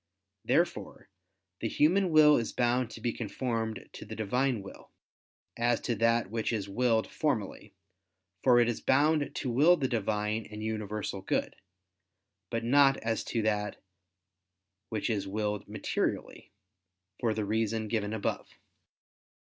Therefore the human will is bound to be conformed to the Divine will, as to that which is willed formally, for it is bound to will the Divine and universal good; but not as to that which is willed materially, for the reason given above.